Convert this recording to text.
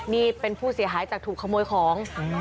นี่เป็นผู้เสียหายจากถูกขโมยของ